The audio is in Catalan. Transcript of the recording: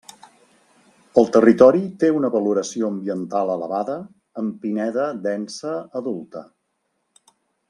El territori té una valoració ambiental elevada amb pineda densa adulta.